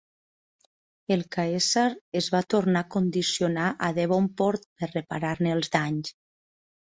El "Caesar" es va tornar a condicionar a Devonport per reparar-ne els danys.